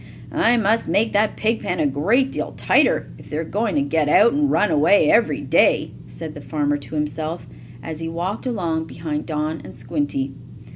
"I must make that pig pen a great deal tighter, if they are going to get out and run away every day," said the farmer to himself, as he walked along behind Don and Squinty.